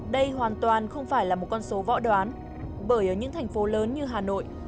đây hoàn toàn không phải là một con số võ đoán bởi ở những thành phố lớn như hà nội